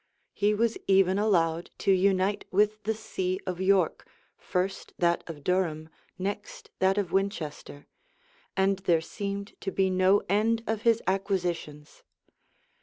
He was even allowed to unite with the see of York, first that of Durham, next that of Winchester; and there seemed to be no end of his acquisitions.